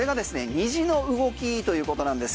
虹の動きということなんです。